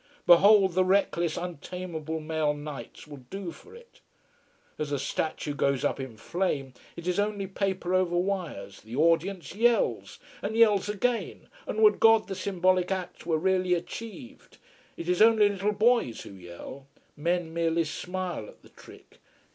Behold, the reckless, untamable male knights will do for it. As the statue goes up in flame it is only paper over wires the audience yells! And yells again. And would God the symbolic act were really achieved. It is only little boys who yell. Men merely smile at the trick.